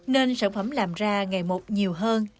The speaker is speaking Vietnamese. nên sản phẩm làm ra ngày một nhiều hơn